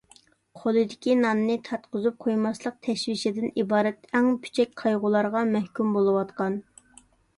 «قولىدىكى ناننى تارتقۇزۇپ قويماسلىق» تەشۋىشىدىن ئىبارەت ئەڭ پۈچەك قايغۇلارغا مەھكۇم بولۇۋاتقان.